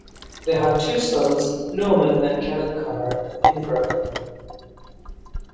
They had two sons, Norman and Kenneth Carr Ingraham.